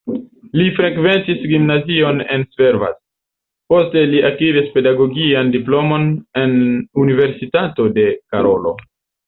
Li frekventis gimnazion en Szarvas, poste li akiris pedagogian diplomon en Universitato de Karolo.